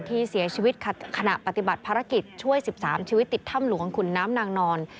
ที่เสียชีวิตขณะปฏิบัติภารกิจช่วย๑๓ชีวิตติดถ้ำหลวงขุนน้ำนางนอน